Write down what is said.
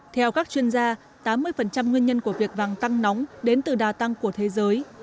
theo các chuyên gia tám mươi nguyên nhân của việc vàng tăng nóng đến từ đa tăng của thế giới